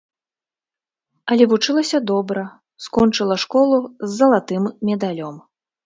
Але вучылася добра, скончыла школу з залатым медалём.